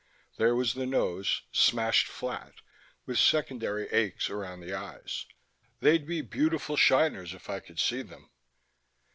There was the nose smashed flat with secondary aches around the eyes. They'd be beautiful shiners, if I could see them.